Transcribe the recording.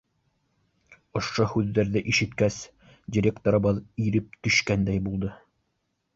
— Ошо һүҙҙәрҙе ишеткәс, директорыбыҙ иреп төшкәндәй булды.